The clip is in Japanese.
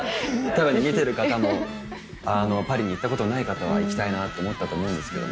多分見てる方もパリに行ったことない方は行きたいなと思ったと思うんですけども。